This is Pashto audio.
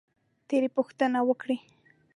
ترې پوښتنه وکړئ،